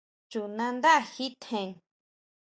Chú nandá ji tjen.